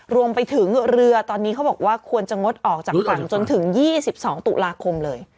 รวมไปถึงเรือตอนนี้เขาบอกว่าควรจะงดออกจากฝั่งจนถึง๒๒ตุลาคมเลย